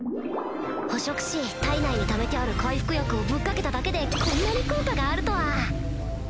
捕食し体内にためてある回復薬をぶっかけただけでこんなに効果があるとは！